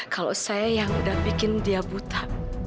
kalau saya yang udah bikin dia buta